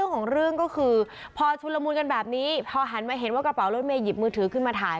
ของเรื่องก็คือพอชุนละมุนกันแบบนี้พอหันมาเห็นว่ากระเป๋ารถเมยหยิบมือถือขึ้นมาถ่าย